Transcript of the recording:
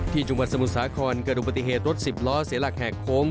จังหวัดสมุทรสาครเกิดอุบัติเหตุรถสิบล้อเสียหลักแหกโค้ง